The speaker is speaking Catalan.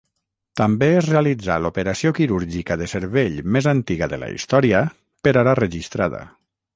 També es realitzà l'operació quirúrgica de cervell més antiga de la història per ara registrada.